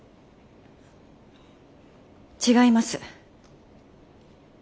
違います。